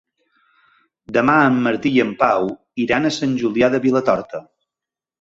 Demà en Martí i en Pau iran a Sant Julià de Vilatorta.